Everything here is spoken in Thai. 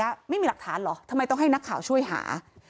ไม่มีหลักฐานเหรอทำไมต้องให้นักข่าวช่วยหา